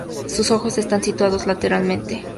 Sus ojos están situados lateralmente.